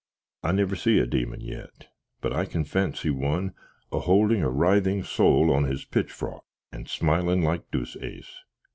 I never see a deamin yet, but I can phansy 1, a holding a writhing soal on his pitchfrock, and smilin like Deuceace.